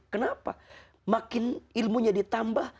kenapa makin ilmunya ditambah